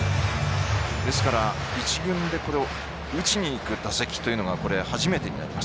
ですから一軍で打ちにいく打席というのはこれが初めてとなります